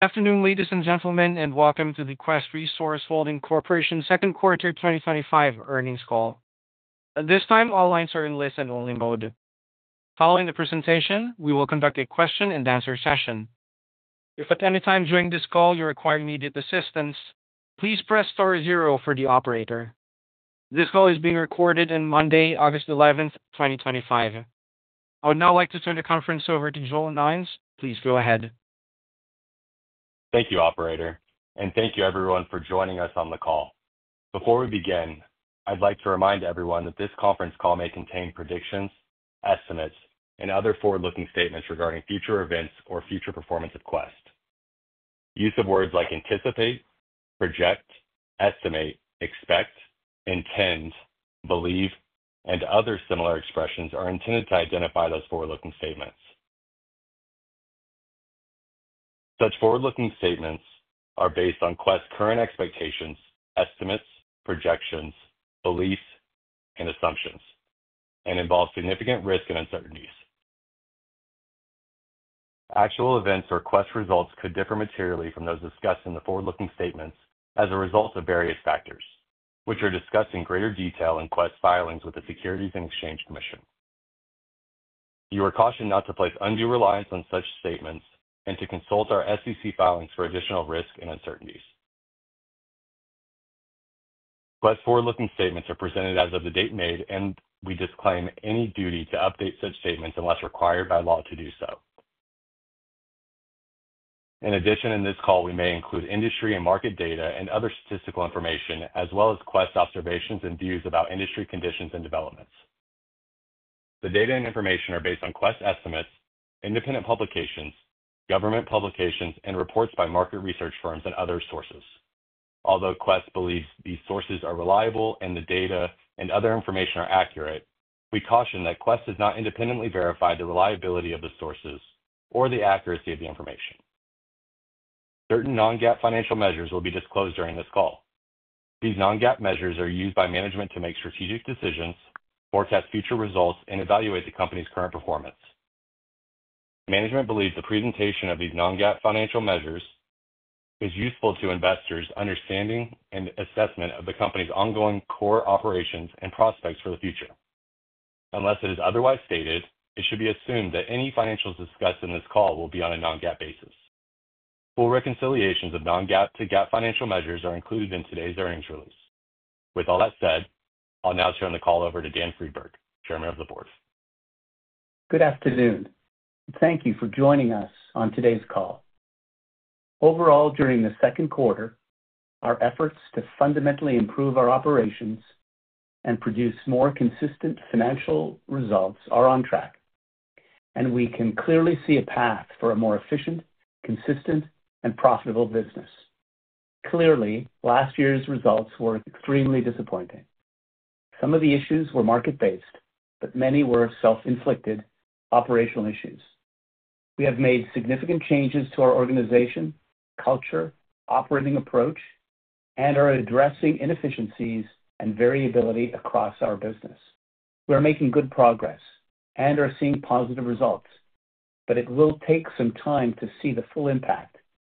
Afternoon, ladies and gentlemen, and welcome to the Quest Resource Holding Corporation's Second Quarter 2025 Earnings Call. At this time, all lines are in listen-only mode. Following the presentation, we will conduct a question-and-answer session. If at any time during this call you require immediate assistance, please press Star, zero for the operator. This call is being recorded on Monday, August 11th, 2025. I would now like to turn the conference over to Joe Noyons. Please go ahead. Thank you, Operator, and thank you everyone for joining us on the call. Before we begin, I'd like to remind everyone that this conference call may contain predictions, estimates, and other forward-looking statements regarding future events or future performance of Quest. Use of words like anticipate, project, estimate, expect, intend, believe, and other similar expressions are intended to identify those forward-looking statements. Such forward-looking statements are based on Quest's current expectations, estimates, projections, beliefs, and assumptions, and involve significant risk and uncertainties. Actual events or Quest results could differ materially from those discussed in the forward-looking statements as a result of various factors, which are discussed in greater detail in Quest filings with the Securities and Exchange Commission. You are cautioned not to place undue reliance on such statements and to consult our SEC filings for additional risk and uncertainties. Quest forward-looking statements are presented as of the date made, and we disclaim any duty to update such statements unless required by law to do so. In addition, in this call, we may include industry and market data and other statistical information, as well as Quest observations and views about industry conditions and developments. The data and information are based on Quest estimates, independent publications, government publications, and reports by market research firms and other sources. Although Quest believes these sources are reliable and the data and other information are accurate, we caution that Quest does not independently verify the reliability of the sources or the accuracy of the information. Certain non-GAAP financial measures will be disclosed during this call. These non-GAAP measures are used by management to make strategic decisions, forecast future results, and evaluate the company's current performance. Management believes the presentation of these non-GAAP financial measures is useful to investors' understanding and assessment of the company's ongoing core operations and prospects for the future. Unless it is otherwise stated, it should be assumed that any financials discussed in this call will be on a non-GAAP basis. Full reconciliations of non-GAAP to GAAP financial measures are included in today's earnings release. With all that said, I'll now turn the call over to Dan Friedberg, Chairman of the Board. Good afternoon. Thank you for joining us on today's call. Overall, during the second quarter, our efforts to fundamentally improve our operations and produce more consistent financial results are on track, and we can clearly see a path for a more efficient, consistent, and profitable business. Last year's results were extremely disappointing. Some of the issues were market-based, but many were self-inflicted operational issues. We have made significant changes to our organization, culture, operating approach, and are addressing inefficiencies and variability across our business. We are making good progress and are seeing positive results, but it will take some time to see the full impact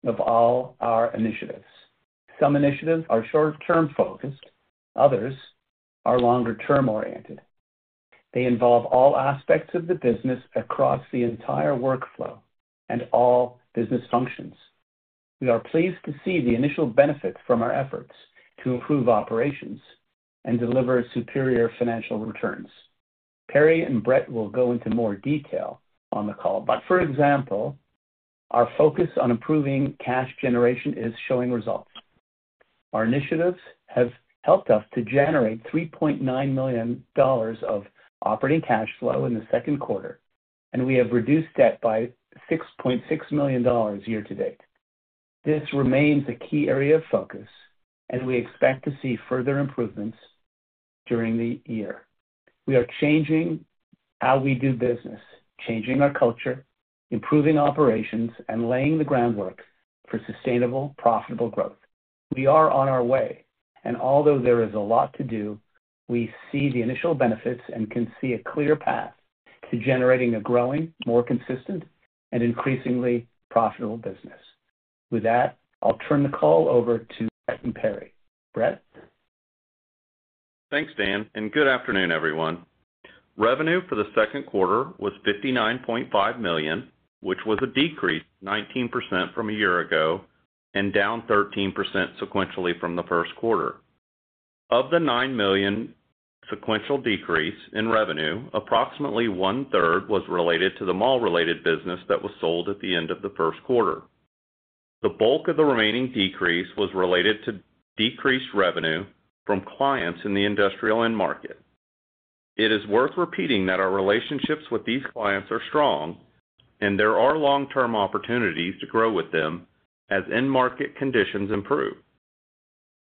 of all our initiatives. Some initiatives are short-term focused, others are longer-term oriented. They involve all aspects of the business across the entire workflow and all business functions. We are pleased to see the initial benefits from our efforts to improve operations and deliver superior financial returns. Perry and Brett will go into more detail on the call, but for example, our focus on improving cash generation is showing results. Our initiatives have helped us to generate $3.9 million of operating cash flow in the second quarter, and we have reduced debt by $6.6 million year to date. This remains a key area of focus, and we expect to see further improvements during the year. We are changing how we do business, changing our culture, improving operations, and laying the groundwork for sustainable, profitable growth. We are on our way, and although there is a lot to do, we see the initial benefits and can see a clear path to generating a growing, more consistent, and increasingly profitable business. With that, I'll turn the call over to Brett and Perry. Brett? Thanks, Dan, and good afternoon, everyone. Revenue for the second quarter was $59.5 million, which was a decrease of 19% from a year ago and down 13% sequentially from the first quarter. Of the $9 million sequential decrease in revenue, approximately one-third was related to the mall-related business that was sold at the end of the first quarter. The bulk of the remaining decrease was related to decreased revenue from clients in the industrial end market. It is worth repeating that our relationships with these clients are strong, and there are long-term opportunities to grow with them as end-market conditions improve.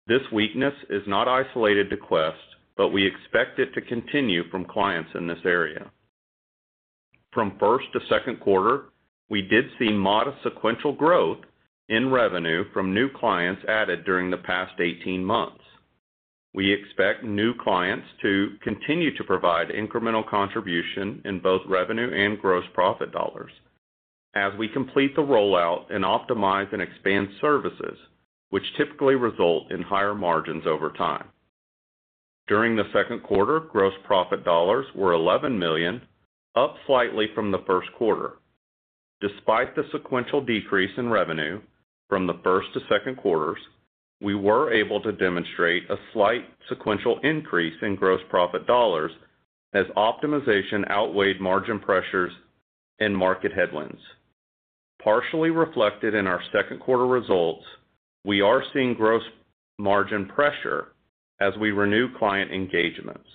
This weakness is not isolated to Quest, but we expect it to continue from clients in this area. From first to second quarter, we did see modest sequential growth in revenue from new clients added during the past 18 months. We expect new clients to continue to provide incremental contribution in both revenue and gross profit dollars as we complete the rollout and optimize and expand services, which typically result in higher margins over time. During the second quarter, gross profit dollars were $11 million, up slightly from the first quarter. Despite the sequential decrease in revenue from the first to second quarters, we were able to demonstrate a slight sequential increase in gross profit dollars as optimization outweighed margin pressures and market headwinds. Partially reflected in our second quarter results, we are seeing gross margin pressure as we renew client engagements.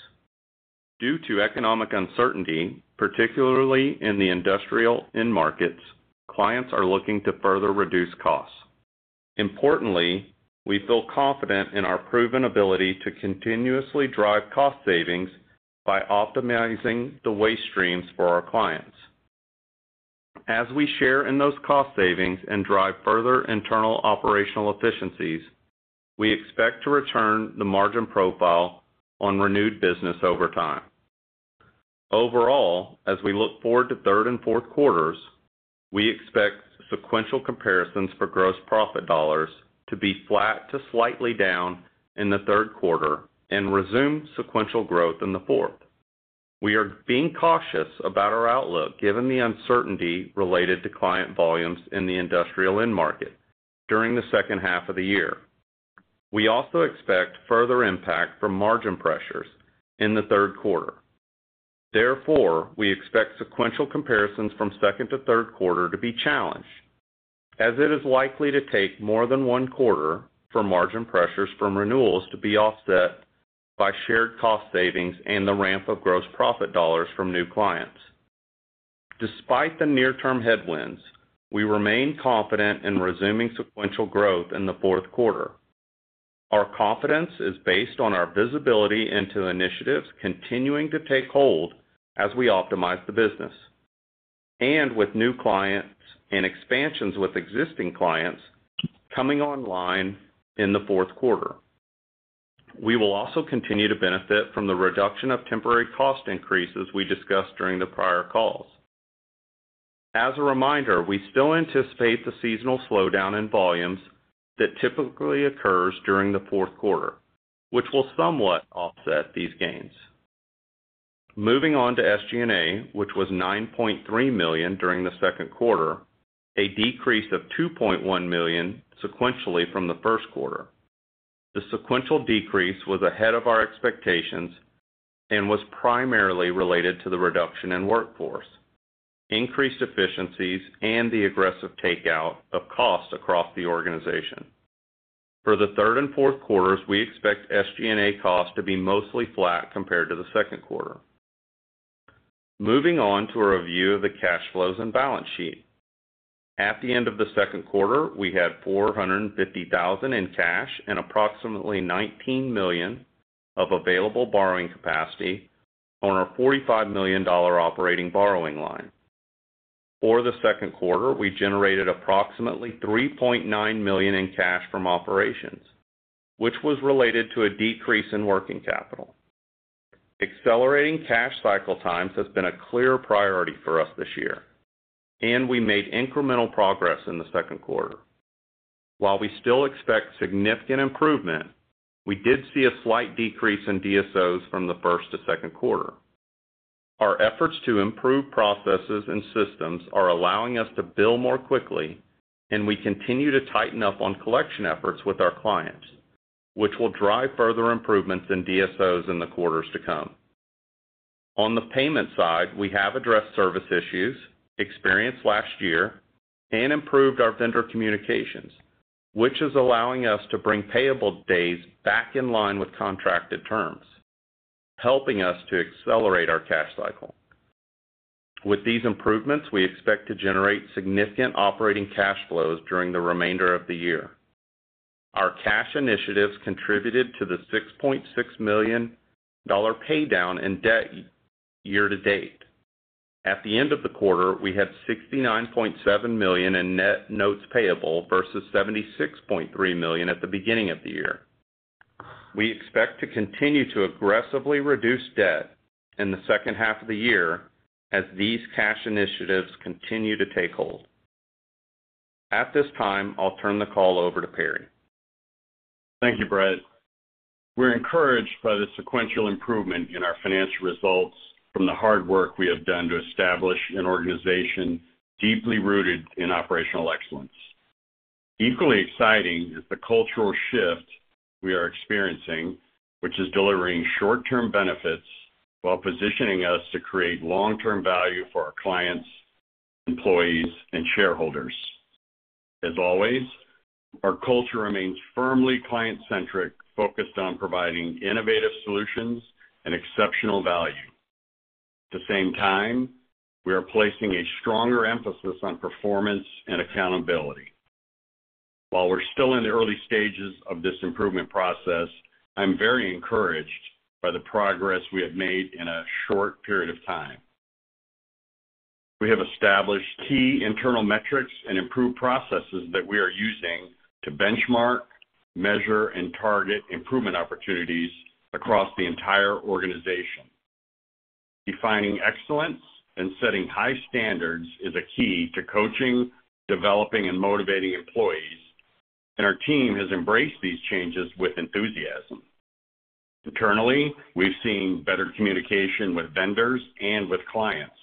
Due to economic uncertainty, particularly in the industrial end markets, clients are looking to further reduce costs. Importantly, we feel confident in our proven ability to continuously drive cost savings by optimizing the waste streams for our clients. As we share in those cost savings and drive further internal operational efficiencies, we expect to return the margin profile on renewed business over time. Overall, as we look forward to third and fourth quarters, we expect sequential comparisons for gross profit dollars to be flat to slightly down in the third quarter and resume sequential growth in the fourth. We are being cautious about our outlook given the uncertainty related to client volumes in the industrial end market during the second half of the year. We also expect further impact from margin pressures in the third quarter. Therefore, we expect sequential comparisons from second to third quarter to be challenged, as it is likely to take more than one quarter for margin pressures from renewals to be offset by shared cost savings and the ramp of gross profit dollars from new clients. Despite the near-term headwinds, we remain confident in resuming sequential growth in the fourth quarter. Our confidence is based on our visibility into initiatives continuing to take hold as we optimize the business and with new clients and expansions with existing clients coming online in the fourth quarter. We will also continue to benefit from the reduction of temporary cost increases we discussed during the prior calls. As a reminder, we still anticipate the seasonal slowdown in volumes that typically occurs during the fourth quarter, which will somewhat offset these gains. Moving on to SG&A, which was $9.3 million during the second quarter, a decrease of $2.1 million sequentially from the first quarter. The sequential decrease was ahead of our expectations and was primarily related to the reduction in workforce, increased efficiencies, and the aggressive takeout of cost across the organization. For the third and fourth quarters, we expect SG&A costs to be mostly flat compared to the second quarter. Moving on to a review of the cash flows and balance sheet. At the end of the second quarter, we had $450,000 in cash and approximately $19 million of available borrowing capacity on our $45 million operating borrowing line. For the second quarter, we generated approximately $3.9 million in cash from operations, which was related to a decrease in working capital. Accelerating cash cycle times has been a clear priority for us this year, and we made incremental progress in the second quarter. While we still expect significant improvement, we did see a slight decrease in DSOs from the first to second quarter. Our efforts to improve processes and systems are allowing us to bill more quickly, and we continue to tighten up on collection efforts with our clients, which will drive further improvements in DSOs in the quarters to come. On the payment side, we have addressed service issues experienced last year and improved our vendor communications, which is allowing us to bring payable days back in line with contracted terms, helping us to accelerate our cash cycle. With these improvements, we expect to generate significant operating cash flows during the remainder of the year. Our cash initiatives contributed to the $6.6 million paydown in debt year to date. At the end of the quarter, we had $69.7 million in net notes payable versus $76.3 million at the beginning of the year. We expect to continue to aggressively reduce debt in the second half of the year as these cash initiatives continue to take hold. At this time, I'll turn the call over to Perry. Thank you, Brett. We're encouraged by the sequential improvement in our financial results from the hard work we have done to establish an organization deeply rooted in operational excellence. Equally exciting is the cultural shift we are experiencing, which is delivering short-term benefits while positioning us to create long-term value for our clients, employees, and shareholders. As always, our culture remains firmly client-centric, focused on providing innovative solutions and exceptional value. At the same time, we are placing a stronger emphasis on performance and accountability. While we're still in the early stages of this improvement process, I'm very encouraged by the progress we have made in a short period of time. We have established key internal metrics and improved processes that we are using to benchmark, measure, and target improvement opportunities across the entire organization. Defining excellence and setting high standards is a key to coaching, developing, and motivating employees, and our team has embraced these changes with enthusiasm. Internally, we've seen better communication with vendors and with clients.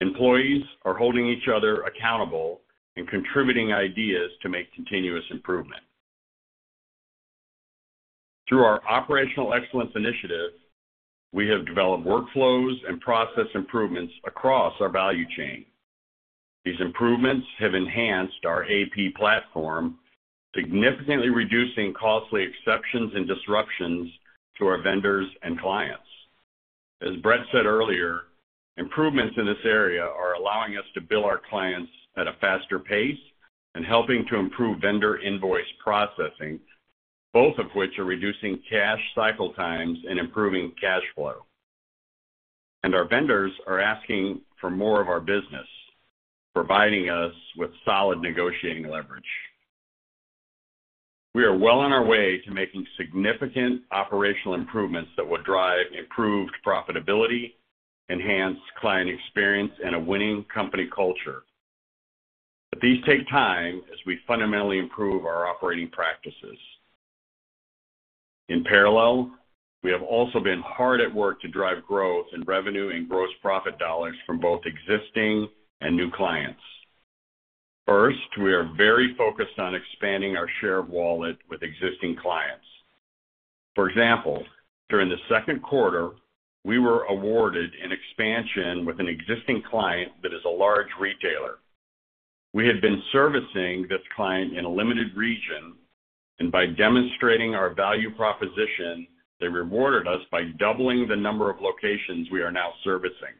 Employees are holding each other accountable and contributing ideas to make continuous improvement. Through our operational excellence initiative, we have developed workflows and process improvements across our value chain. These improvements have enhanced our AP platform, significantly reducing costly exceptions and disruptions to our vendors and clients. As Brett said earlier, improvements in this area are allowing us to bill our clients at a faster pace and helping to improve vendor invoice processing, both of which are reducing cash cycle times and improving cash flow. Our vendors are asking for more of our business, providing us with solid negotiating leverage. We are well on our way to making significant operational improvements that will drive improved profitability, enhance client experience, and a winning company culture. These take time as we fundamentally improve our operating practices. In parallel, we have also been hard at work to drive growth in revenue and gross profit dollars from both existing and new clients. First, we are very focused on expanding our share of wallet with existing clients. For example, during the second quarter, we were awarded an expansion with an existing client that is a large retailer. We had been servicing this client in a limited region, and by demonstrating our value proposition, they rewarded us by doubling the number of locations we are now servicing.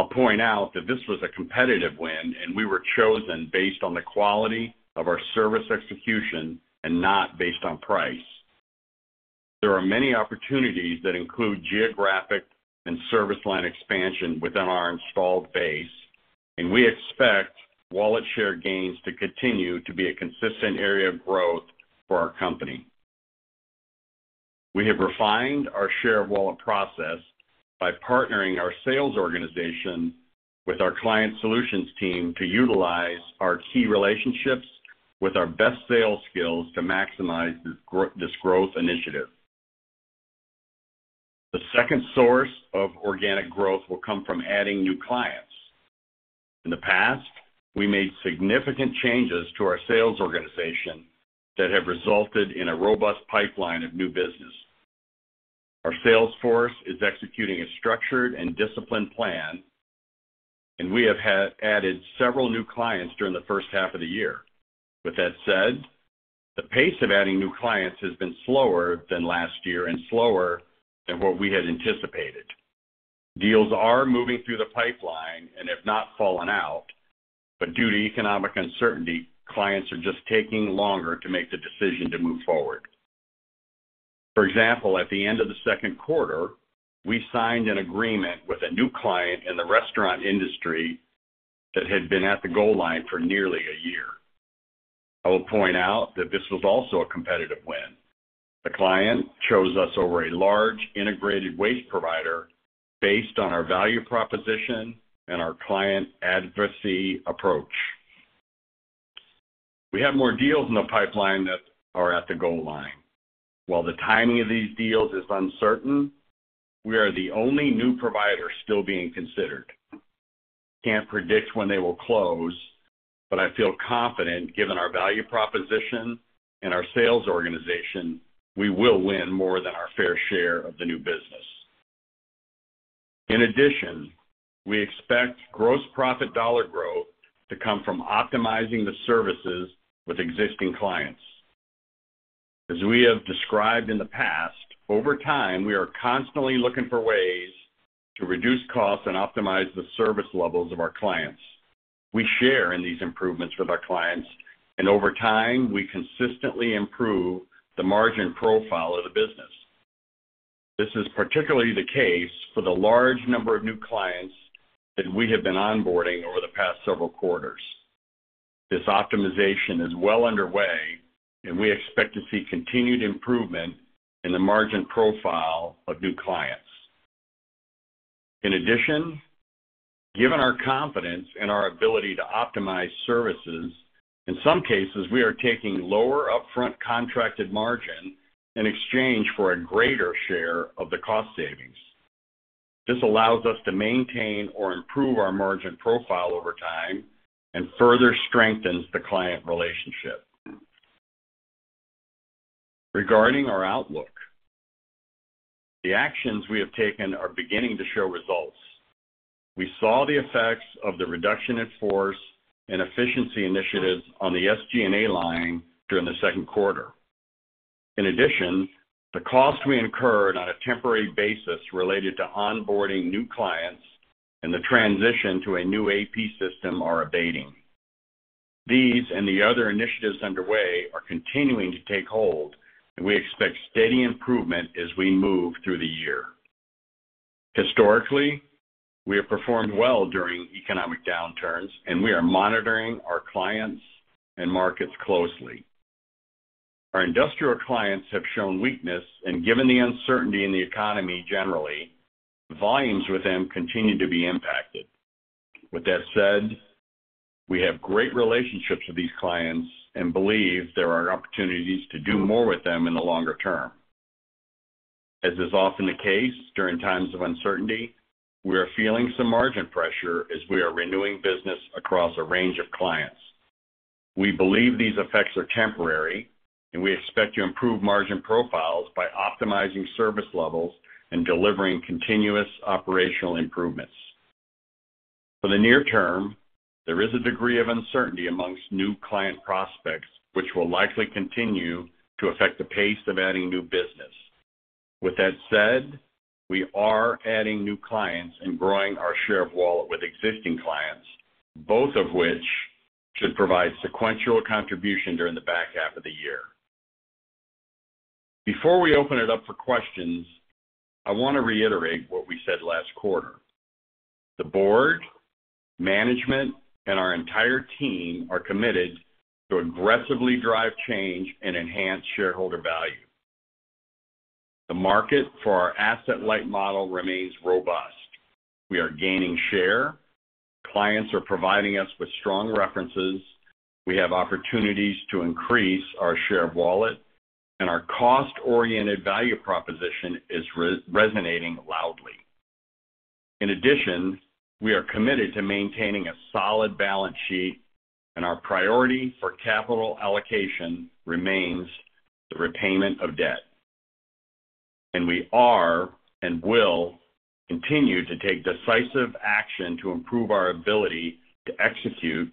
I'll point out that this was a competitive win, and we were chosen based on the quality of our service execution and not based on price. There are many opportunities that include geographic and service line expansion within our installed base, and we expect wallet share gains to continue to be a consistent area of growth for our company. We have refined our share of wallet process by partnering our sales organization with our client solutions team to utilize our key relationships with our best sales skills to maximize this growth initiative. The second source of organic growth will come from adding new clients. In the past, we made significant changes to our sales organization that have resulted in a robust pipeline of new business. Our sales force is executing a structured and disciplined plan, and we have added several new clients during the first half of the year. With that said, the pace of adding new clients has been slower than last year and slower than what we had anticipated. Deals are moving through the pipeline and have not fallen out, but due to economic uncertainty, clients are just taking longer to make the decision to move forward. For example, at the end of the second quarter, we signed an agreement with a new client in the restaurant industry that had been at the goal line for nearly a year. I will point out that this was also a competitive win. The client chose us over a large integrated waste provider based on our value proposition and our client advocacy approach. We have more deals in the pipeline that are at the goal line. While the timing of these deals is uncertain, we are the only new provider still being considered. I can't predict when they will close, but I feel confident given our value proposition and our sales organization, we will win more than our fair share of the new business. In addition, we expect gross profit dollar growth to come from optimizing the services with existing clients. As we have described in the past, over time, we are constantly looking for ways to reduce costs and optimize the service levels of our clients. We share in these improvements with our clients, and over time, we consistently improve the margin profile of the business. This is particularly the case for the large number of new clients that we have been onboarding over the past several quarters. This optimization is well underway, and we expect to see continued improvement in the margin profile of new clients. In addition, given our confidence in our ability to optimize services, in some cases, we are taking lower upfront contracted margin in exchange for a greater share of the cost savings. This allows us to maintain or improve our margin profile over time and further strengthens the client relationship. Regarding our outlook, the actions we have taken are beginning to show results. We saw the effects of the reduction in force and efficiency initiatives on the SG&A line during the second quarter. In addition, the cost we incurred on a temporary basis related to onboarding new clients and the transition to a new AP system are abating. These and the other initiatives underway are continuing to take hold, and we expect steady improvement as we move through the year. Historically, we have performed well during economic downturns, and we are monitoring our clients and markets closely. Our industrial clients have shown weakness, and given the uncertainty in the economy generally, volumes with them continue to be impacted. With that said, we have great relationships with these clients and believe there are opportunities to do more with them in the longer term. As is often the case during times of uncertainty, we are feeling some margin pressure as we are renewing business across a range of clients. We believe these effects are temporary, and we expect to improve margin profiles by optimizing service levels and delivering continuous operational improvements. For the near term, there is a degree of uncertainty amongst new client prospects, which will likely continue to affect the pace of adding new business. With that said, we are adding new clients and growing our share of wallet with existing clients, both of which should provide sequential contribution during the back half of the year. Before we open it up for questions, I want to reiterate what we said last quarter. The board, management, and our entire team are committed to aggressively drive change and enhance shareholder value. The market for our asset-light model remains robust. We are gaining share. Clients are providing us with strong references. We have opportunities to increase our share of wallet, and our cost-oriented value proposition is resonating loudly. In addition, we are committed to maintaining a solid balance sheet, and our priority for capital allocation remains the repayment of debt. We are and will continue to take decisive action to improve our ability to execute,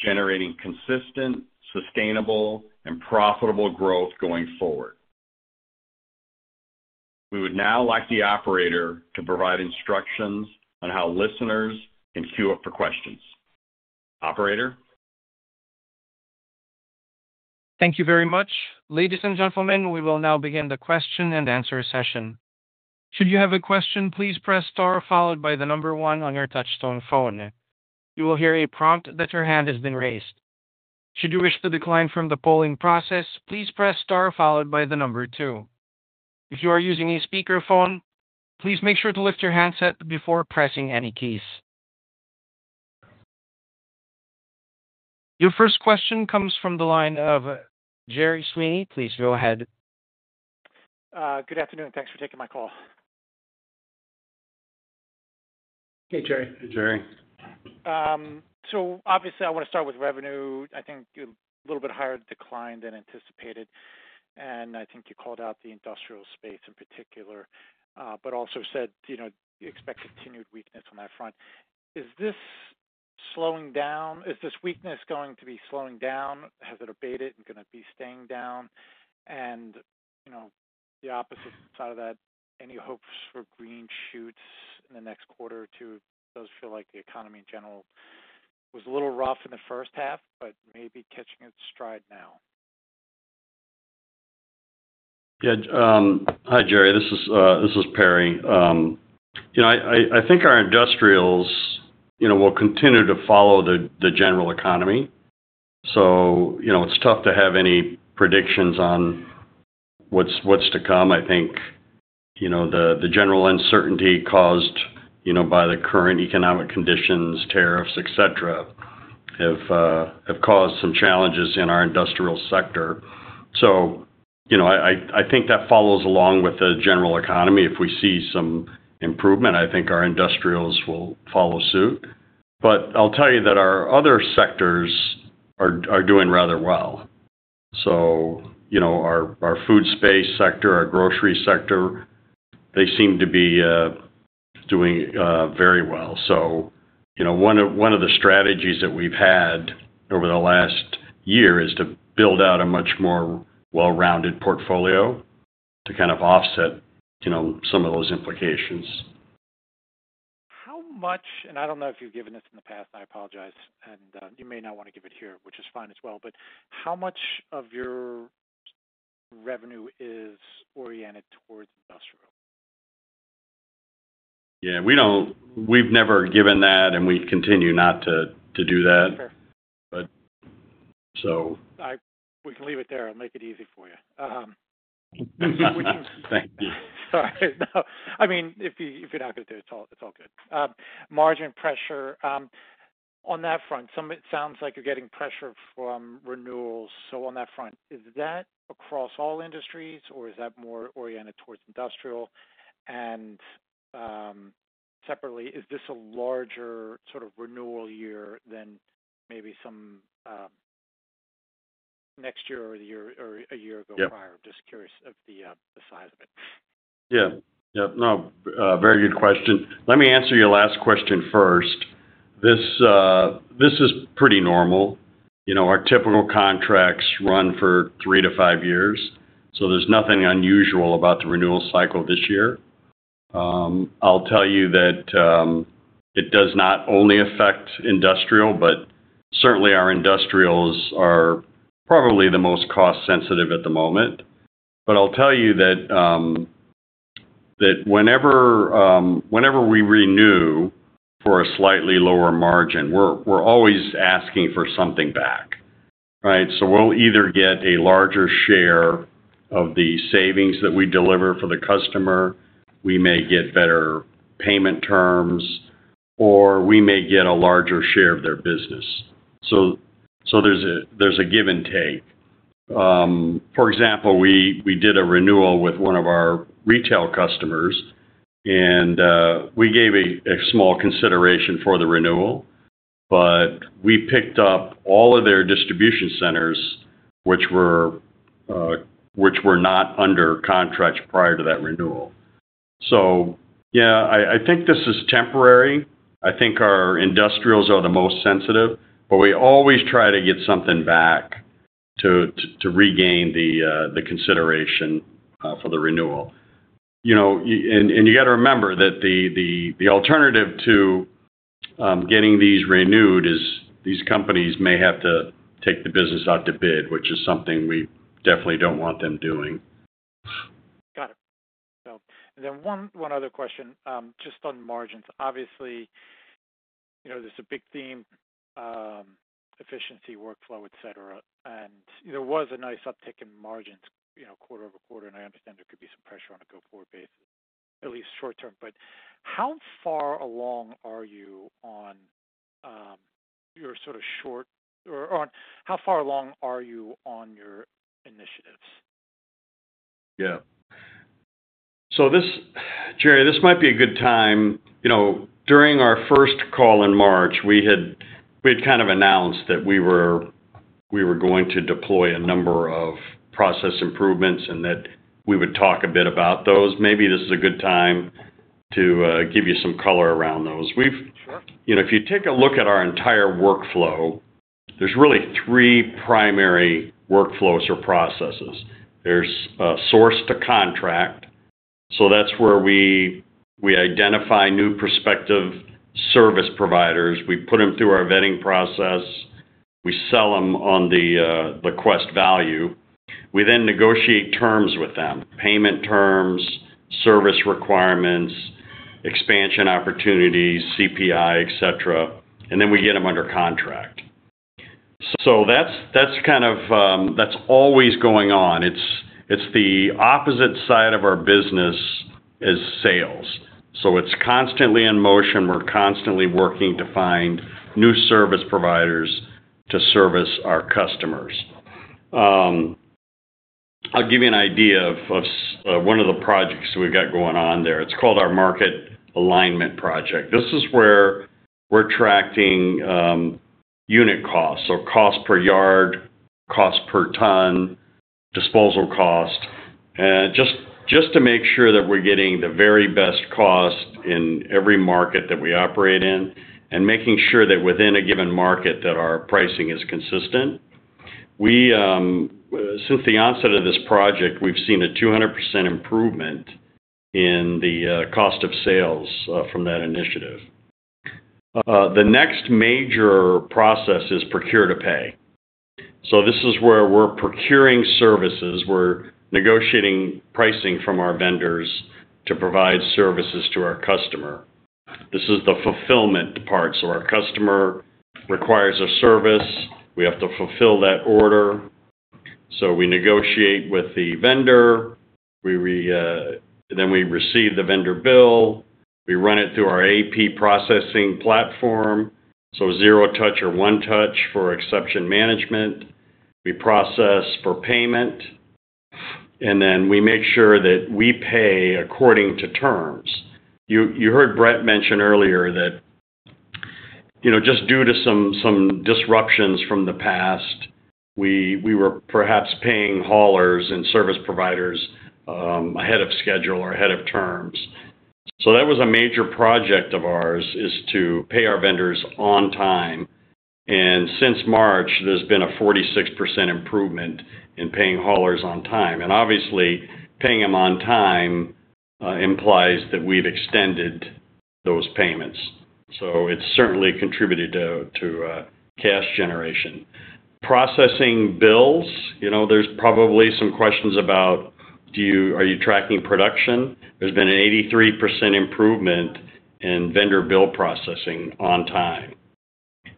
generating consistent, sustainable, and profitable growth going forward. We would now like the operator to provide instructions on how listeners can queue up for questions. Operator? Thank you very much. Ladies and gentlemen, we will now begin the question-and-answer session. Should you have a question, please press Star followed by the number one on your touch-tone phone. You will hear a prompt that your hand has been raised. Should you wish to decline from the polling process, please press Star followed by the number two. If you are using a speakerphone, please make sure to lift your handset before pressing any keys. Your first question comes from the line of Gerry Sweeney. Please go ahead. Good afternoon. Thanks for taking my call. Hey, Gerry. Hey, Gerry. I want to start with revenue. I think a little bit higher decline than anticipated. I think you called out the industrial space in particular, but also said you expect continued weakness on that front. Is this slowing down? Is this weakness going to be slowing down? Has it abated and going to be staying down? The opposite side of that, any hopes for green shoots in the next quarter or two? It does feel like the economy in general was a little rough in the first half, but maybe catching its stride now. Hi, Jerry. This is Perry. I think our industrials will continue to follow the general economy. It's tough to have any predictions on what's to come. I think the general uncertainty caused by the current economic conditions, tariffs, etc., have caused some challenges in our industrial sector. I think that follows along with the general economy. If we see some improvement, I think our industrials will follow suit. I'll tell you that our other sectors are doing rather well. Our food space sector, our grocery sector, they seem to be doing very well. One of the strategies that we've had over the last year is to build out a much more well-rounded portfolio to kind of offset some of those implications. How much, and I don't know if you've given this in the past, I apologize, and you may not want to give it here, which is fine as well, but how much of your revenue is oriented towards industrial? We don't, we've never given that, and we continue not to do that. Sure. But so. We can leave it there and make it easy for you. Thank you. All right. If you're not going to do it, it's all good. Margin pressure on that front, it sounds like you're getting pressure from renewals. On that front, is that across all industries, or is that more oriented towards industrial? Separately, is this a larger sort of renewal year than maybe some next year or the year or a year ago prior? Just curious of the size of it. Yeah. Yep. No, very good question. Let me answer your last question first. This is pretty normal. Our typical contracts run for three to five years. There is nothing unusual about the renewal cycle this year. I'll tell you that it does not only affect industrial, but certainly our industrials are probably the most cost-sensitive at the moment. I'll tell you that whenever we renew for a slightly lower margin, we're always asking for something back, right? We will either get a larger share of the savings that we deliver for the customer, we may get better payment terms, or we may get a larger share of their business. There is a give and take. For example, we did a renewal with one of our retail customers, and we gave a small consideration for the renewal, but we picked up all of their distribution centers, which were not under contract prior to that renewal. I think this is temporary. I think our industrials are the most sensitive, but we always try to get something back to regain the consideration for the renewal. You have to remember that the alternative to getting these renewed is these companies may have to take the business out to bid, which is something we definitely do not want them doing. Got it. One other question just on margins. Obviously, there's a big theme, efficiency, workflow, et cetera, and there was a nice uptick in margins quarter over quarter. I understand there could be some pressure on a go-forward basis, at least short term. How far along are you on your sort of short, or how far along are you on your initiatives? Yeah. This might be a good time. During our first call in March, we had kind of announced that we were going to deploy a number of process improvements and that we would talk a bit about those. Maybe this is a good time to give you some color around those. If you take a look at our entire workflow, there are really three primary workflows or processes. There is a source to contract. That is where we identify new prospective service providers, put them through our vetting process, sell them on the Quest value, then negotiate terms with them, payment terms, service requirements, expansion opportunities, CPI, etc., and then get them under contract. That is always going on. It is the opposite side of our business as sales, so it is constantly in motion. We are constantly working to find new service providers to service our customers. I will give you an idea of one of the projects we have going on there. It is called our market alignment project. This is where we are tracking unit costs, so cost per yard, cost per ton, disposal cost, just to make sure that we are getting the very best cost in every market that we operate in and making sure that within a given market our pricing is consistent. Since the onset of this project, we have seen a 200% improvement in the cost of sales from that initiative. The next major process is procure to pay. This is where we are procuring services. We are negotiating pricing from our vendors to provide services to our customer. This is the fulfillment part. Our customer requires a service, we have to fulfill that order, so we negotiate with the vendor. Then we receive the vendor bill, run it through our AP processing platform, zero touch or one touch for exception management, process for payment, and make sure that we pay according to terms. You heard Brett mention earlier that due to some disruptions from the past, we were perhaps paying haulers and service providers ahead of schedule or ahead of terms. That was a major project of ours, to pay our vendors on time. Since March, there has been a 46% improvement in paying haulers on time. Obviously, paying them on time implies that we have extended those payments, so it has certainly contributed to cash generation. Processing bills, there are probably some questions about, do you, are you tracking production? There's been an 83% improvement in vendor bill processing on time,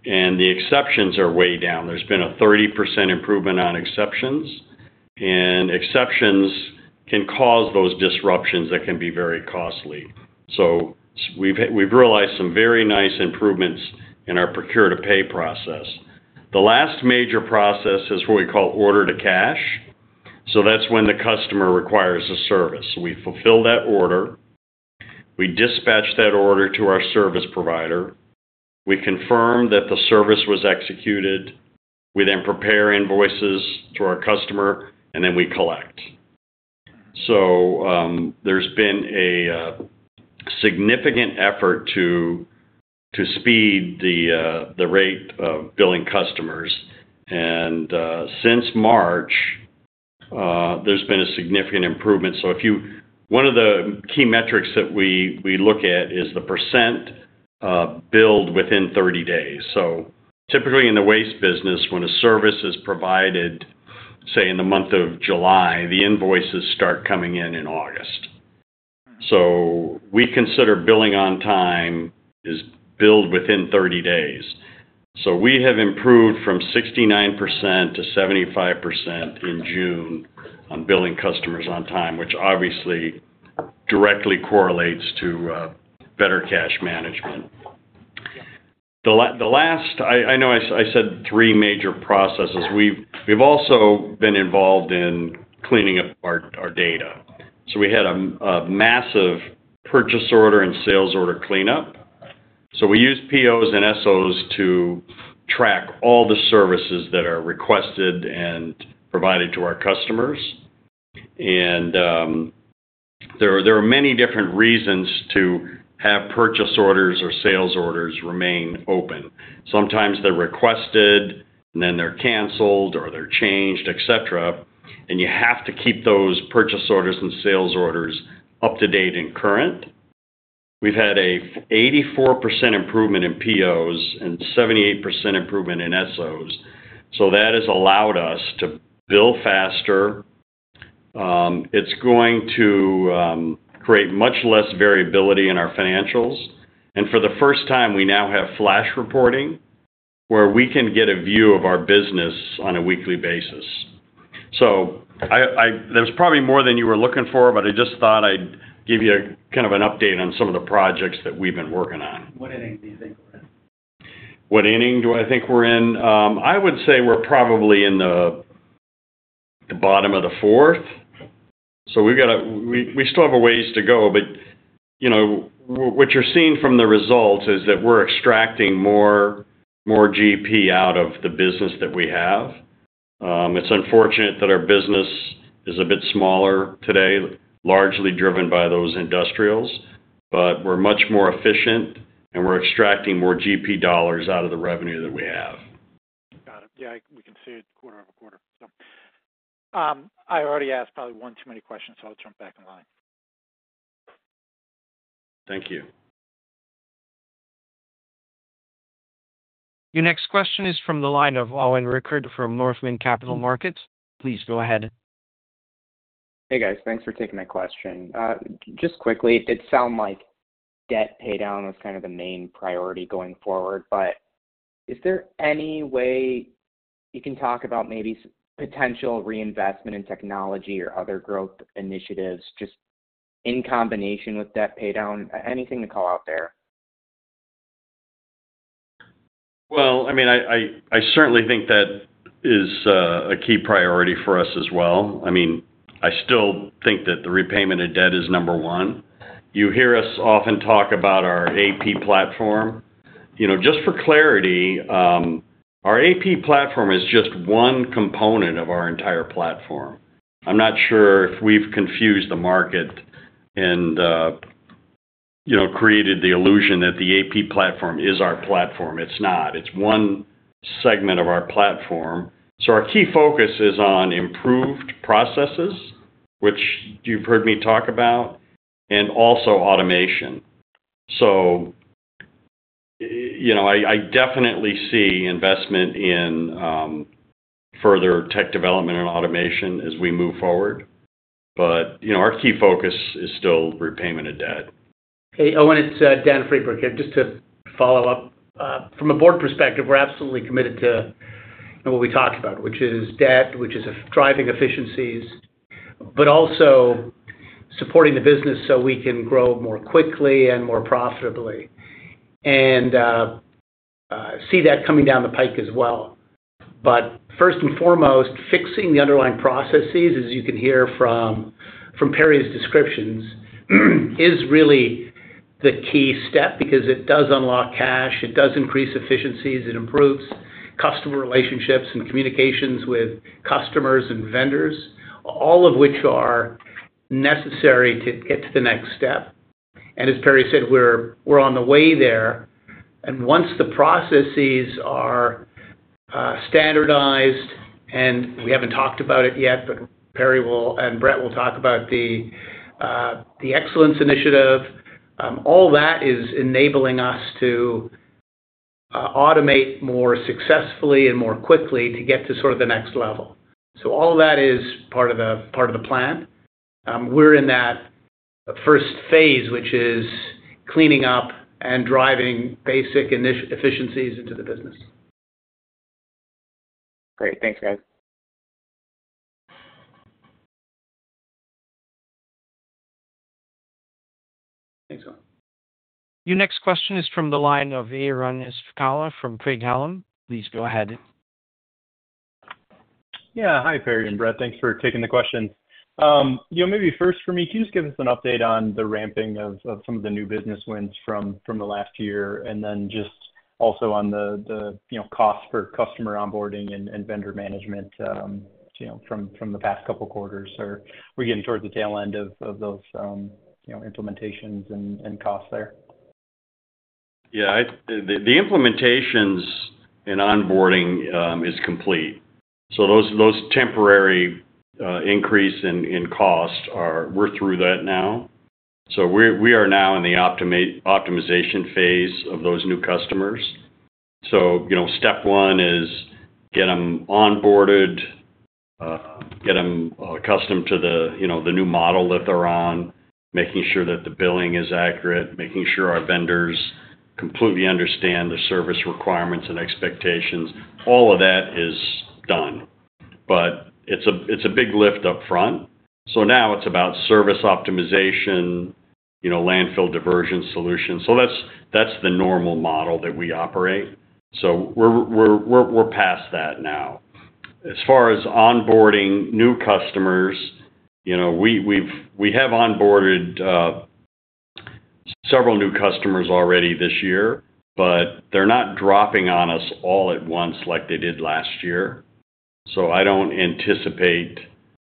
and the exceptions are way down. There's been a 30% improvement on exceptions. Exceptions can cause those disruptions that can be very costly. We've realized some very nice improvements in our procure-to-pay process. The last major process is what we call order-to-cash. That's when the customer requires a service, we fulfill that order, we dispatch that order to our service provider, we confirm that the service was executed, we then prepare invoices to our customer, and then we collect. There's been a significant effort to speed the rate of billing customers, and since March, there's been a significant improvement. One of the key metrics that we look at is the percent billed within 30 days. Typically in the waste business, when a service is provided, say in the month of July, the invoices start coming in in August. We consider billing on time as billed within 30 days. We have improved from 69% to 75% in June on billing customers on time, which obviously directly correlates to better cash management. The last, I know I said three major processes, we've also been involved in cleaning up our data. We had a massive purchase order and sales order cleanup. We use POs and SOs to track all the services that are requested and provided to our customers. There are many different reasons to have purchase orders or sales orders remain open. Sometimes they're requested, and then they're canceled or they're changed, et cetera. You have to keep those purchase orders and sales orders up to date and current. We've had an 84% improvement in POs and 78% improvement in SOs. That has allowed us to bill faster. It's going to create much less variability in our financials. For the first time, we now have flash reporting where we can get a view of our business on a weekly basis. There's probably more than you were looking for, but I just thought I'd give you kind of an update on some of the projects that we've been working on. What inning do you think we're in? What inning do I think we're in? I would say we're probably in the bottom of the fourth. We still have a ways to go, but you know, what you're seeing from the results is that we're extracting more GP out of the business that we have. It's unfortunate that our business is a bit smaller today, largely driven by those industrials, but we're much more efficient and we're extracting more GP dollars out of the revenue that we have. Got it. Yeah, we can see it quarter-after-quarter. I already asked probably one too many questions, so I'll jump back in line. Thank you. Your next question is from the line of Owen Rickert from Northland Capital Markets. Please go ahead. Hey guys, thanks for taking that question. Just quickly, it sounds like debt paydown was kind of the main priority going forward, but is there any way you can talk about maybe potential reinvestment in technology or other growth initiatives just in combination with debt paydown? Anything to call out there? I certainly think that is a key priority for us as well. I still think that the repayment of debt is number one. You hear us often talk about our AP platform. Just for clarity, our AP platform is just one component of our entire platform. I'm not sure if we've confused the market and created the illusion that the AP platform is our platform. It's not. It's one segment of our platform. Our key focus is on improved processes, which you've heard me talk about, and also automation. I definitely see investment in further tech development and automation as we move forward. Our key focus is still repayment of debt. Hey Owen, it's Dan Friedberg here. Just to follow up, from a board perspective, we're absolutely committed to what we talked about, which is debt, which is driving efficiencies, but also supporting the business so we can grow more quickly and more profitably. We see that coming down the pike as well. First and foremost, fixing the underlying processes, as you can hear from Perry's descriptions, is really the key step because it does unlock cash, it does increase efficiencies, it improves customer relationships and communications with customers and vendors, all of which are necessary to get to the next step. As Perry said, we're on the way there. Once the processes are standardized, and we haven't talked about it yet, but Perry and Brett will talk about the excellence initiative, all that is enabling us to automate more successfully and more quickly to get to sort of the next level. All of that is part of the plan. We're in that first phase, which is cleaning up and driving basic efficiencies into the business. Great. Thanks, guys. Thanks Owen. Your next question is from the line of Aaron Spychalla from Craig-Hallum. Please go ahead. Yeah, hi Perry and Brett, thanks for taking the question. Maybe first for me, can you just give us an update on the ramping of some of the new business wins from the last year, and then also on the cost per customer onboarding and vendor management from the past couple of quarters? Are we getting towards the tail end of those implementations and costs there? Yeah, the implementations and onboarding is complete. Those temporary increases in cost, we're through that now. We are now in the optimization phase of those new customers. Step one is get them onboarded, get them accustomed to the new model that they're on, making sure that the billing is accurate, making sure our vendors completely understand the service requirements and expectations. All of that is done. It's a big lift up front. Now it's about service optimization, landfill diversion solutions. That's the normal model that we operate. We're past that now. As far as onboarding new customers, we have onboarded several new customers already this year, but they're not dropping on us all at once like they did last year. I don't anticipate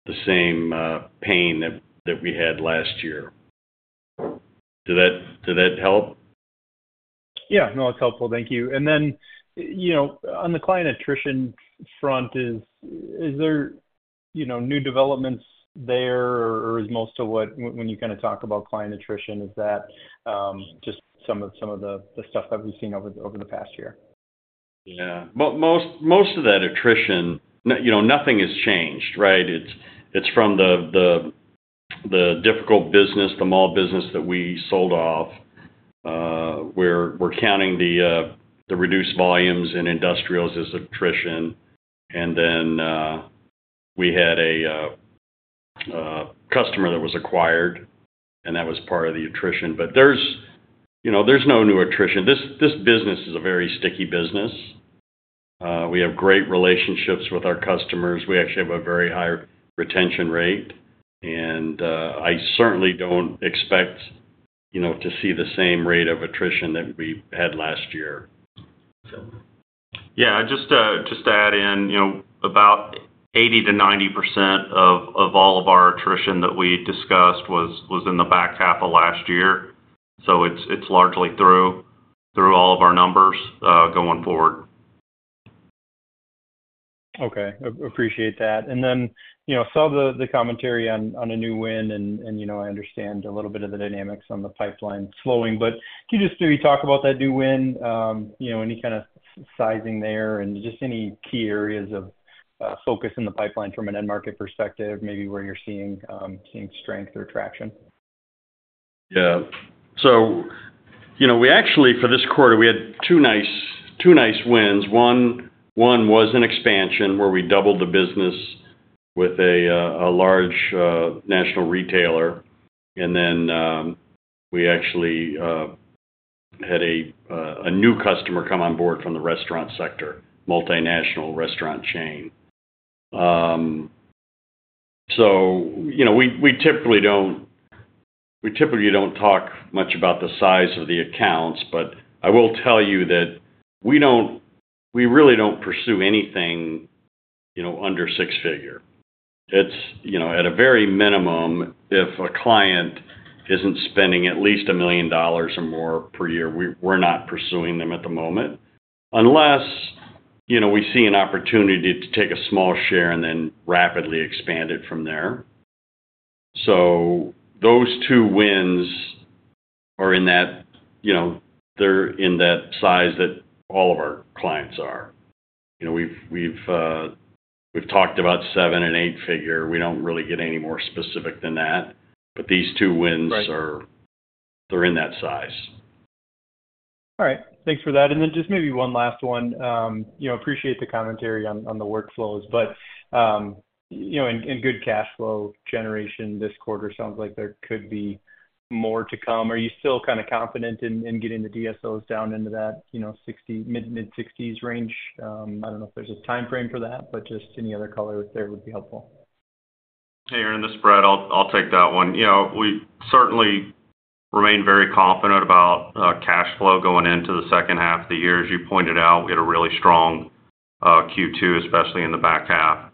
the same pain that we had last year. Did that help? Yeah, no, it's helpful. Thank you. On the client attrition front, is there new developments there, or is most of what, when you kind of talk about client attrition, is that just some of the stuff that we've seen over the past year? Most of that attrition, you know, nothing has changed, right? It's from the difficult business, the mall business that we sold off, where we're counting the reduced volumes in industrials as attrition. We had a customer that was acquired, and that was part of the attrition. There's no new attrition. This business is a very sticky business. We have great relationships with our customers. We actually have a very high retention rate. I certainly don't expect, you know, to see the same rate of attrition that we had last year. Yeah, I just add in, you know, about 80%- 90% of all of our attrition that we discussed was in the back half of last year. It's largely through all of our numbers going forward. Okay. Appreciate that. I saw the commentary on a new win, and I understand a little bit of the dynamics on the pipeline flowing. Can you just maybe talk about that new win, any kind of sizing there, and any key areas of focus in the pipeline from an end market perspective, maybe where you're seeing strength or traction? Yeah. You know, we actually, for this quarter, had two nice wins. One was an expansion where we doubled the business with a large national retailer. We actually had a new customer come on board from the restaurant sector, a multinational restaurant chain. We typically don't talk much about the size of the accounts, but I will tell you that we really don't pursue anything under six figures. At a very minimum, if a client isn't spending at least $1 million or more per year, we're not pursuing them at the moment, unless we see an opportunity to take a small share and then rapidly expand it from there. Those two wins are in that size that all of our clients are. We've talked about seven and eight figure. We don't really get any more specific than that, but these two wins are in that size. All right. Thanks for that. Maybe one last one. I appreciate the commentary on the workflows, but in good cash flow generation this quarter, it sounds like there could be more to come. Are you still kind of confident in getting the DSOs down into that mid-60s range? I don't know if there's a timeframe for that, but any other color there would be helpful. Hey, Aaron, this is Brett. I'll take that one. We certainly remain very confident about cash flow going into the second half of the year. As you pointed out, we had a really strong Q2, especially in the back half,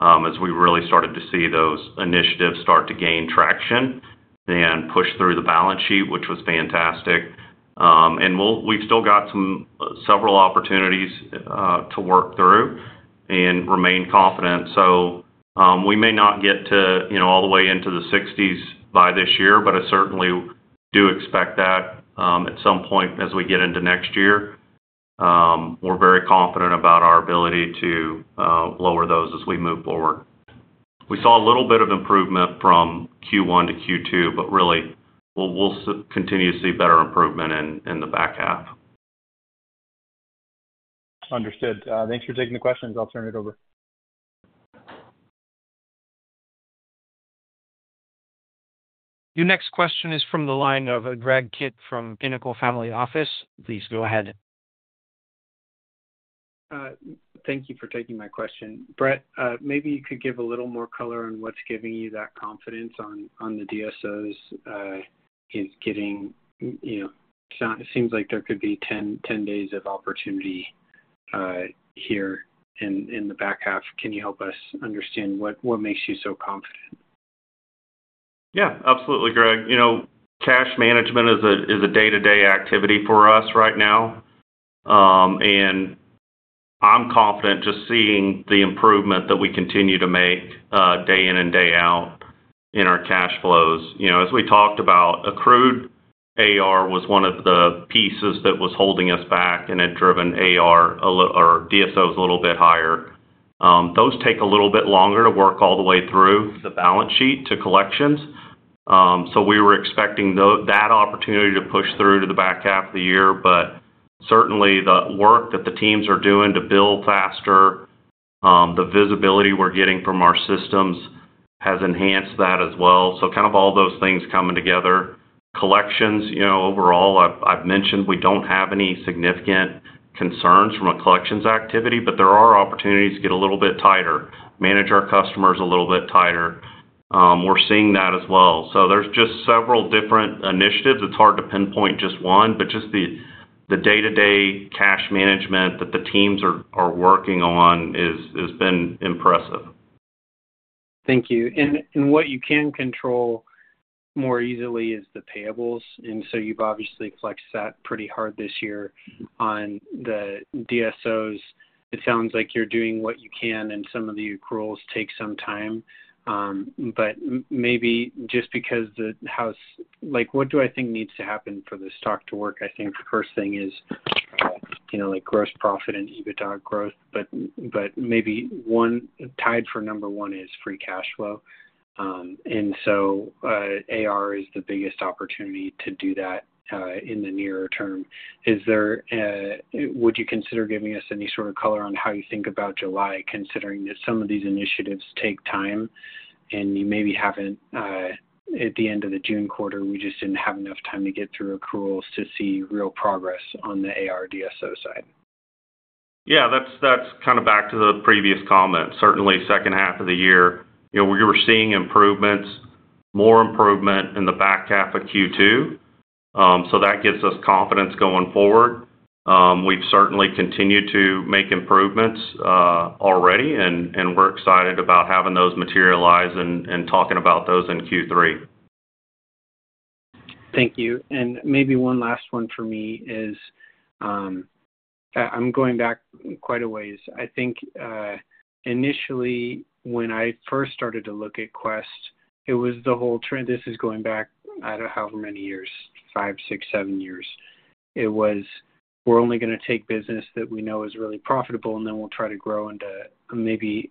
as we really started to see those initiatives start to gain traction and push through the balance sheet, which was fantastic. We've still got some several opportunities to work through and remain confident. We may not get to all the way into the 60s by this year, but I certainly do expect that at some point as we get into next year. We're very confident about our ability to lower those as we move forward. We saw a little bit of improvement from Q1 to Q2, but really, we'll continue to see better improvement in the back half. Understood. Thanks for taking the questions. I'll turn it over. Your next question is from the line of Greg Kitt from Pinnacle Family Office. Please go ahead. Thank you for taking my question. Brett, maybe you could give a little more color on what's giving you that confidence on the DSOs is getting, you know, it seems like there could be 10 days of opportunity here in the back half. Can you help us understand what makes you so confident? Yeah, absolutely, Greg. You know, cash management is a day-to-day activity for us right now. I'm confident just seeing the improvement that we continue to make day in and day out in our cash flows. As we talked about, accrued AR was one of the pieces that was holding us back and had driven AR or DSOs a little bit higher. Those take a little bit longer to work all the way through the balance sheet to collections. We were expecting that opportunity to push through to the back half of the year, but certainly the work that the teams are doing to build faster, the visibility we're getting from our systems has enhanced that as well. All those things are coming together. Collections, you know, overall, I've mentioned we don't have any significant concerns from a collections activity, but there are opportunities to get a little bit tighter, manage our customers a little bit tighter. We're seeing that as well. There are just several different initiatives. It's hard to pinpoint just one, but just the day-to-day cash management that the teams are working on has been impressive. Thank you. What you can control more easily is the payables. You've obviously flexed that pretty hard this year on the DSOs. It sounds like you're doing what you can, and some of the accruals take some time. Maybe just because the house, like what do I think needs to happen for this stock to work? I think the first thing is, you know, like gross profit and EBITDA growth, but maybe one tied for number one is free cash flow. AR is the biggest opportunity to do that in the nearer term. Would you consider giving us any sort of color on how you think about July, considering that some of these initiatives take time and you maybe haven't at the end of the June quarter? We just didn't have enough time to get through accruals to see real progress on the AR DSO side. That's kind of back to the previous comment. Certainly, second half of the year, you know, we were seeing improvements, more improvement in the back half of Q2. That gives us confidence going forward. We've certainly continued to make improvements already, and we're excited about having those materialize and talking about those in Q3. Thank you. Maybe one last one for me is I'm going back quite a ways. I think initially when I first started to look at Quest, it was the whole trend. This is going back, I don't know how many years, five, six, seven years. It was, we're only going to take business that we know is really profitable, and then we'll try to grow into maybe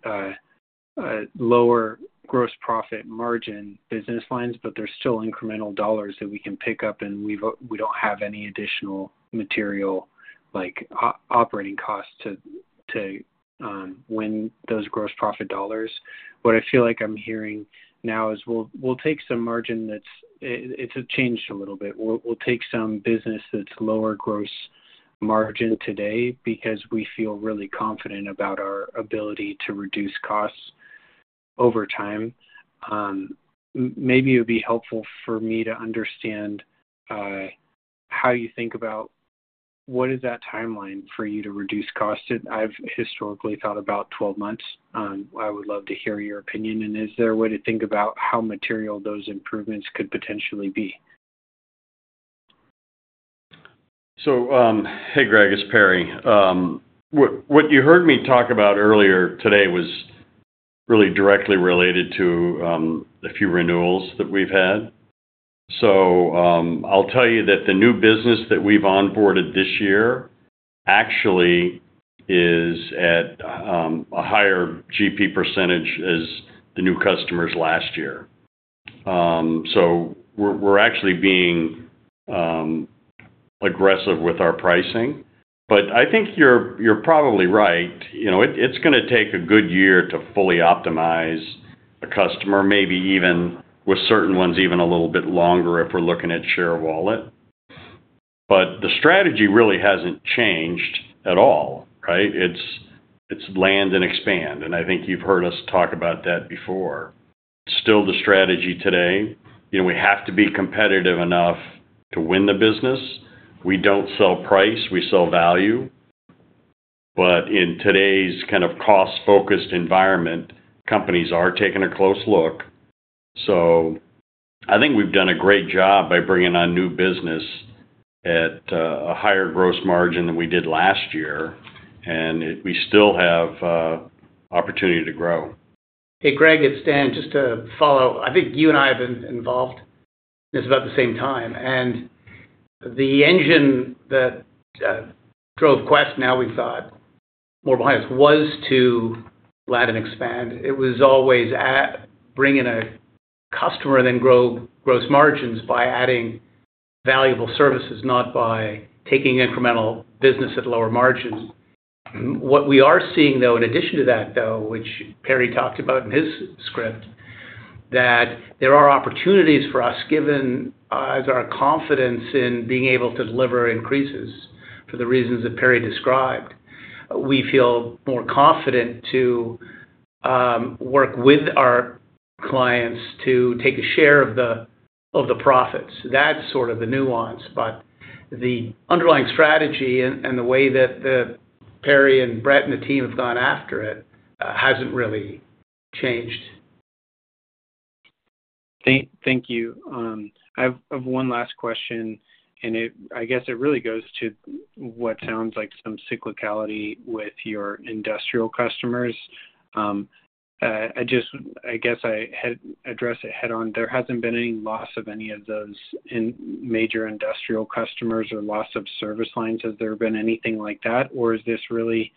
lower gross profit margin business lines, but there's still incremental dollars that we can pick up, and we don't have any additional material, like operating costs to win those gross profit dollars. What I feel like I'm hearing now is we'll take some margin that's changed a little bit. We'll take some business that's lower gross margin today because we feel really confident about our ability to reduce costs over time. Maybe it would be helpful for me to understand how you think about what is that timeline for you to reduce costs. I've historically thought about 12 months. I would love to hear your opinion, and is there a way to think about how material those improvements could potentially be? Hey Greg, it's Perry. What you heard me talk about earlier today was really directly related to the few renewals that we've had. I'll tell you that the new business that we've onboarded this year actually is at a higher GP percentage as the new customers last year. We're actually being aggressive with our pricing. I think you're probably right. It's going to take a good year to fully optimize a customer, maybe even with certain ones, even a little bit longer if we're looking at share of wallet. The strategy really hasn't changed at all, right? It's land and expand. I think you've heard us talk about that before. Still, the strategy today, we have to be competitive enough to win the business. We don't sell price, we sell value. In today's kind of cost-focused environment, companies are taking a close look. I think we've done a great job by bringing on new business at a higher gross margin than we did last year. We still have an opportunity to grow. Hey Greg, it's Dan. Just to follow, I think you and I have been involved, and it's about the same time. The engine that drove Quest, now we've thought, more biased, was to land and expand. It was always bringing a customer and then growing gross margins by adding valuable services, not by taking incremental business at lower margins. What we are seeing, though, in addition to that, which Perry talked about in his script, is that there are opportunities for us, given our confidence in being able to deliver increases for the reasons that Perry described. We feel more confident to work with our clients to take a share of the profits. That's sort of the nuance. The underlying strategy and the way that Perry and Brett and the team have gone after it hasn't really changed. Thank you. I have one last question, and I guess it really goes to what sounds like some cyclicality with your industrial customers. I just, I guess I had addressed it head-on. There hasn't been any loss of any of those major industrial customers or loss of service lines. Has there been anything like that, or is this really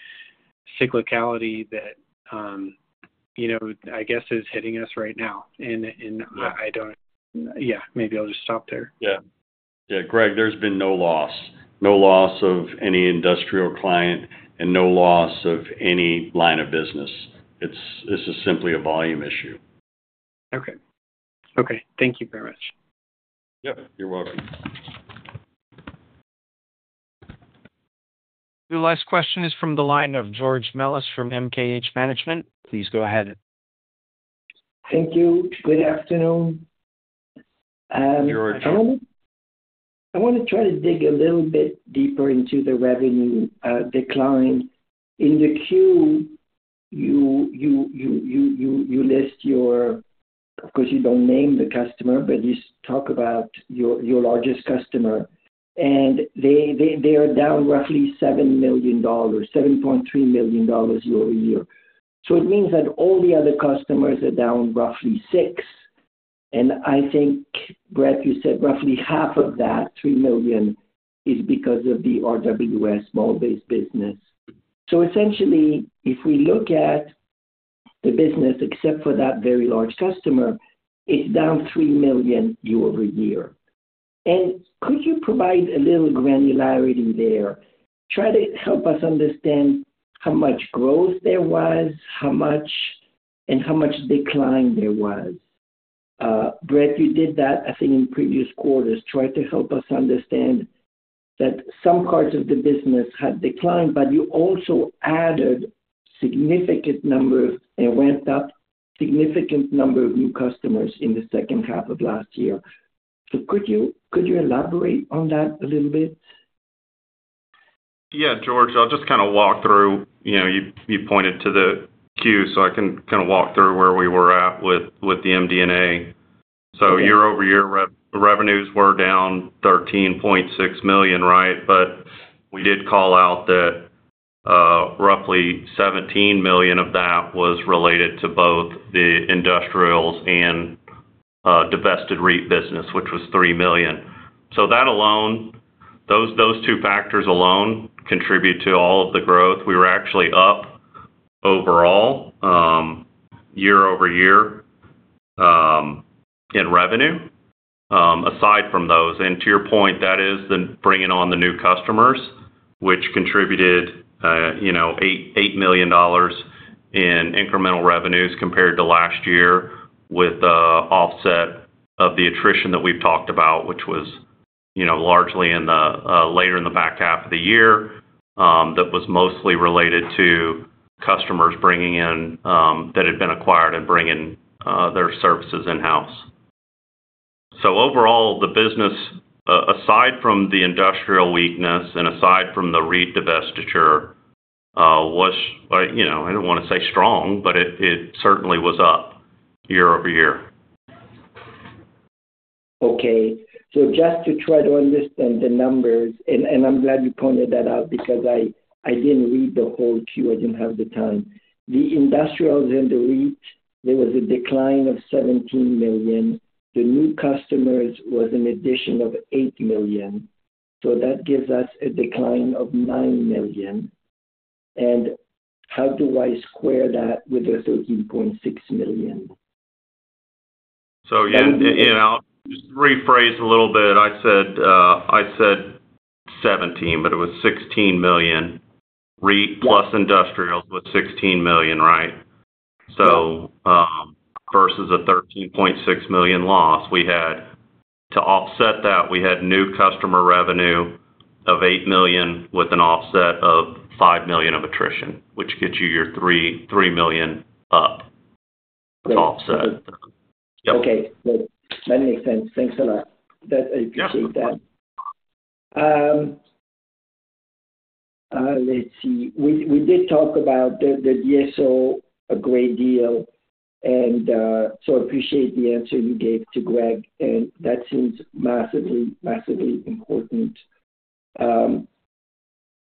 cyclicality that is hitting us right now? I don't, maybe I'll just stop there. Yeah, Greg, there's been no loss, no loss of any industrial client and no loss of any line of business. This is simply a volume issue. Okay. Thank you very much. Yeah, you're welcome. Your last question is from the line of George Melas from MKH Management. Please go ahead. Thank you. Good afternoon. You're okay. I want to try to dig a little bit deeper into the revenue decline. In the queue, you list your, of course, you don't name the customer, but you talk about your largest customer. They are down roughly $7 million, $7.3 million year-over-year. It means that all the other customers are down roughly $6 million. I think, Brett, you said roughly half of that, $3 million, is because of the RWS mall-based business. Essentially, if we look at the business, except for that very large customer, it's down $3 million year over year. Could you provide a little granularity there? Try to help us understand how much growth there was, how much, and how much decline there was. Brett, you did that, I think, in previous quarters. Try to help us understand that some parts of the business had declined, but you also added a significant number and ramped up a significant number of new customers in the second half of last year. Could you elaborate on that a little bit? Yeah, George, I'll just kind of walk through, you pointed to the queue, so I can kind of walk through where we were at with the MDNA. Year-over-year, revenues were down $13.6 million, right? We did call out that roughly $17 million of that was related to both the industrials and divested REIT business, which was $3 million. That alone, those two factors alone contribute to all of the growth. We were actually up overall year-over-year in revenue. Aside from those, and to your point, that is bringing on the new customers, which contributed $8 million in incremental revenues compared to last year with the offset of the attrition that we've talked about, which was largely in the later in the back half of the year. That was mostly related to customers bringing in that had been acquired and bringing their services in-house. Overall, the business, aside from the industrial weakness and aside from the REIT divestiture, was, I don't want to say strong, but it certainly was up year-over-year. Okay. Just to try to understand the numbers, I'm glad you pointed that out because I didn't read the whole queue. I didn't have the time. The industrials and the REIT, there was a decline of $17 million. The new customers was an addition of $8 million. That gives us a decline of $9 million. How do I square that with the $13.6 million? I'll just rephrase a little bit. I said $17 million, but it was $16 million. REIT plus industrials was $16 million, right? Versus a $13.6 million loss, we had to offset that. We had new customer revenue of $8 million with an offset of $5 million of attrition, which gets you your $3 million up offset. Okay. That makes sense. Thanks a lot. I appreciate that. Let's see. We did talk about the DSO a great deal, and I appreciate the answer you gave to Greg, and that seems massively, massively important.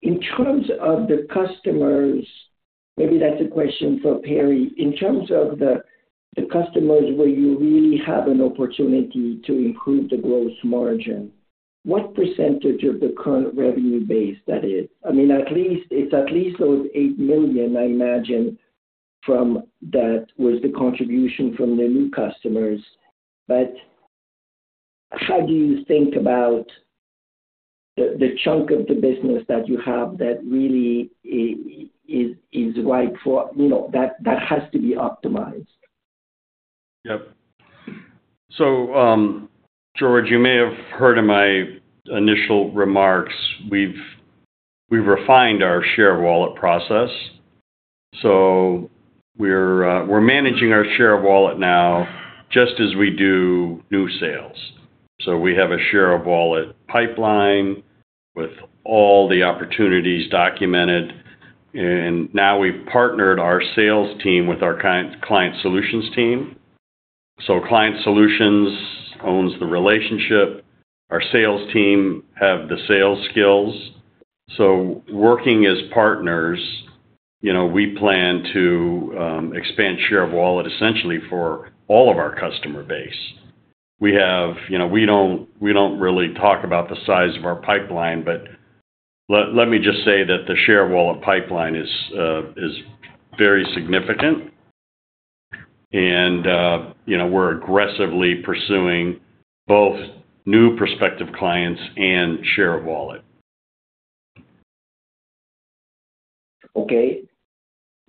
In terms of the customers, maybe that's a question for Perry. In terms of the customers where you really have an opportunity to improve the gross margin, what percentage of the current revenue base that is? I mean, at least it's at least those $8 million, I imagine, from that was the contribution from the new customers. How do you think about the chunk of the business that you have that really is ripe for, you know, that has to be optimized? Yeah. George, you may have heard in my initial remarks, we've refined our share of wallet process. We're managing our share of wallet now just as we do new sales. We have a share of wallet pipeline with all the opportunities documented. We've partnered our sales team with our client solutions team. Client solutions owns the relationship. Our sales team has the sales skills. Working as partners, we plan to expand share of wallet essentially for all of our customer base. We don't really talk about the size of our pipeline, but let me just say that the share of wallet pipeline is very significant. We're aggressively pursuing both new prospective clients and share of wallet. Okay.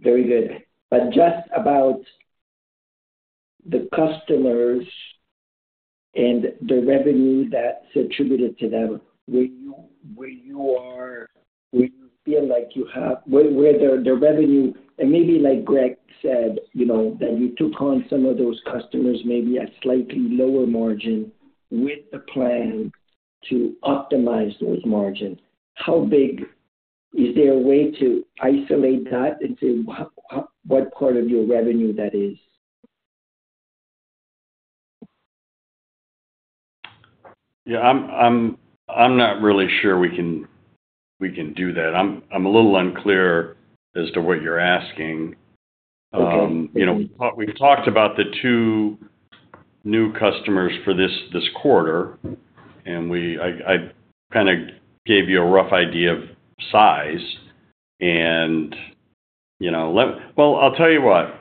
Very good. Just about the customers and the revenue that's attributed to them, where you are, where you feel like you have, where the revenue, and maybe like Greg said, you know, that you took on some of those customers maybe at slightly lower margin with a plan to optimize those margins. How big is there a way to isolate that into what part of your revenue that is? I'm not really sure we can do that. I'm a little unclear as to what you're asking. We've talked about the two new customers for this quarter, and I kind of gave you a rough idea of size. I'll tell you what.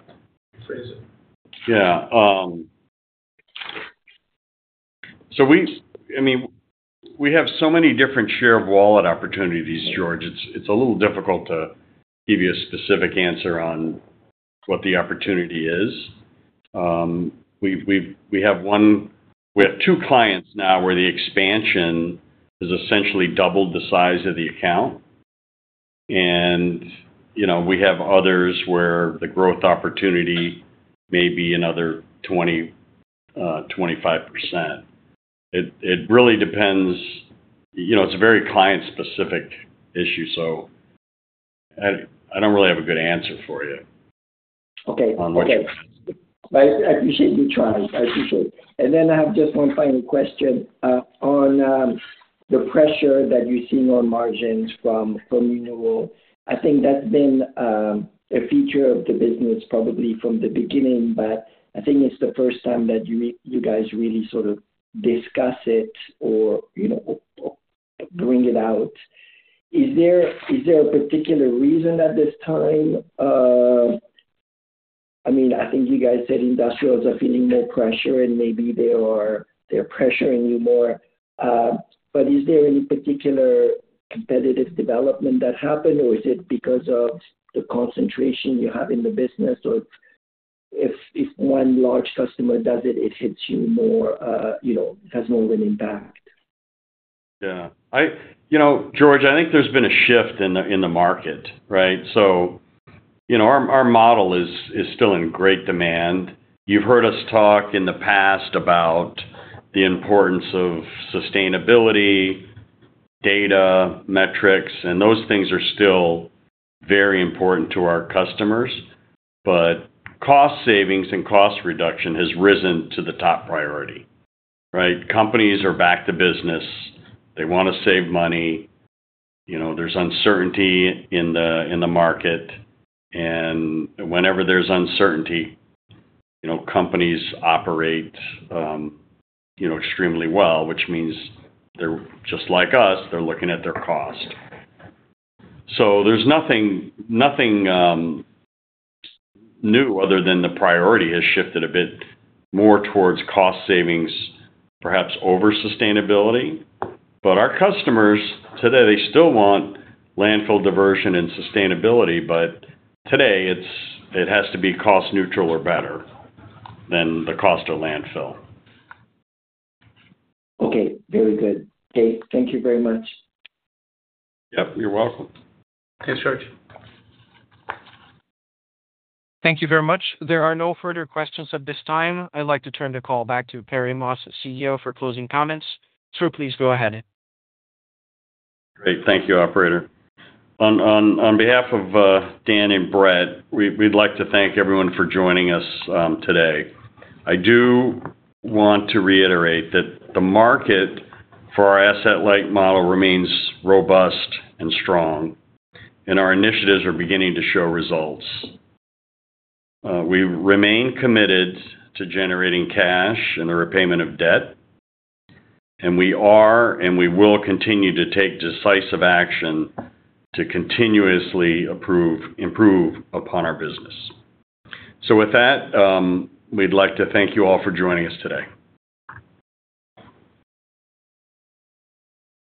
Phrase it. We have so many different share of wallet opportunities, George. It's a little difficult to give you a specific answer on what the opportunity is. We have one, we have two clients now where the expansion has essentially doubled the size of the account. You know, we have others where the growth opportunity may be another 20%, 25%. It really depends. It's a very client-specific issue. I don't really have a good answer for you. Okay. On that. I appreciate you trying. I appreciate it. I have just one final question on the pressure that you're seeing on margins from renewal. I think that's been a feature of the business probably from the beginning, but I think it's the first time that you guys really sort of discuss it or, you know, bring it out. Is there a particular reason at this time? I mean, I think you guys said industrials are feeling more pressure and maybe they are pressuring you more. Is there any particular competitive development that happened, or is it because of the concentration you have in the business, or if one large customer does it, it hits you more, you know, has more of an impact? Yeah. You know, George, I think there's been a shift in the market, right? Our model is still in great demand. You've heard us talk in the past about the importance of sustainability, data, metrics, and those things are still very important to our customers. Cost savings and cost reduction have risen to the top priority, right? Companies are back to business. They want to save money. There's uncertainty in the market. Whenever there's uncertainty, companies operate extremely well, which means they're just like us. They're looking at their cost. There's nothing new other than the priority has shifted a bit more towards cost savings, perhaps over sustainability. Our customers today still want landfill diversion and sustainability, but today it has to be cost neutral or better than the cost of landfill. Okay. Very good. Thank you very much. Yep, you're welcome. Thanks, George. Thank you very much. There are no further questions at this time. I'd like to turn the call back to Perry Moss, CEO, for closing comments. Sir, please go ahead. Great. Thank you, Operator. On behalf of Dan and Brett, we'd like to thank everyone for joining us today. I do want to reiterate that the market for our asset-light model remains robust and strong, and our initiatives are beginning to show results. We remain committed to generating cash and the repayment of debt. We are, and we will continue to take decisive action to continuously improve upon our business. We'd like to thank you all for joining us today.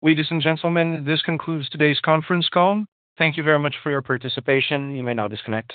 Ladies and gentlemen, this concludes today's conference call. Thank you very much for your participation. You may now disconnect.